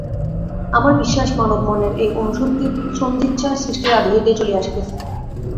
আমার বিশ্বাস মানব-মনের এই অনুসন্ধিৎসা সৃষ্টির আদি হইতেই চলিয়া আসিতেছে।